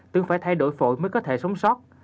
từng phải thay đổi phổi mới có thể sống sót